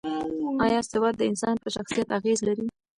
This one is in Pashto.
ایا سواد د انسان په شخصیت اغېز لري؟